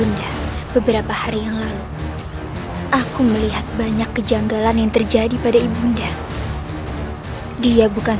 kaitanya beberapa hari yang lalu aku melihat banyak kejanggalan yang terjadi pada ibu md kein dia bukan